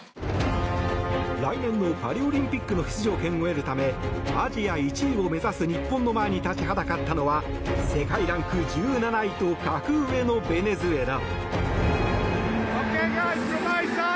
来年のパリオリンピックの出場権を得るためアジア１位を目指す日本の前に立ちはだかったのは世界ランク１７位と格上のベネズエラ。